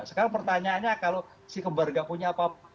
sekarang pertanyaannya kalau si kembari nggak punya apa apa